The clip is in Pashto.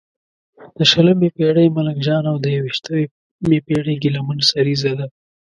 د شلمې پېړۍ ملنګ جان او د یوویشمې پېړې ګیله من سریزه ده.